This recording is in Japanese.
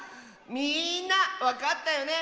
みんなわかったよね。ね！